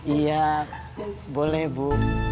iya boleh bu